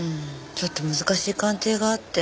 ちょっと難しい鑑定があって。